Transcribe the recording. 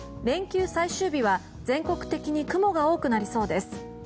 連休最終日は全国的に雲が多くなりそうです。